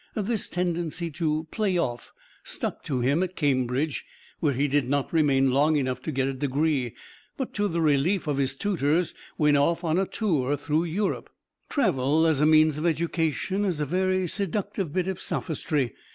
This tendency to "play off" stuck to him at Cambridge where he did not remain long enough to get a degree, but to the relief of his tutors went off on a tour through Europe. Travel as a means of education is a very seductive bit of sophistry.